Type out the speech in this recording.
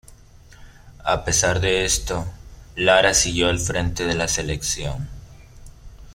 A pesar de esto Lara siguió al frente de la selección.